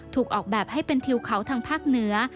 ถูกออกแบบให้เป็นทิวเขาทางภาคเหนือ